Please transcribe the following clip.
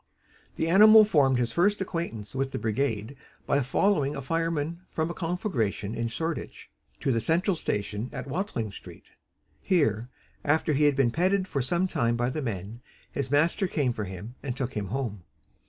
The animal formed his first acquaintance with the brigade by following a fireman from a conflagration in Shoreditch to the central station at Watling Street. Here, after he had been petted for some time by the men, his master came for him and took him home.